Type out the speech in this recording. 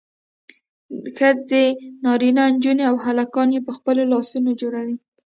ښځې نارینه نجونې او هلکان یې په خپلو لاسونو جوړوي.